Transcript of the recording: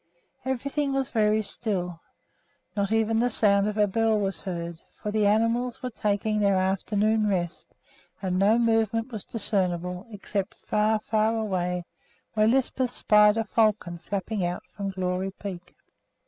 Everything was very still. Not even the sound of a bell was heard, for the animals were taking their afternoon rest; and no movement was discernible except far, far away, where Lisbeth spied a falcon flapping out from Glory Peak.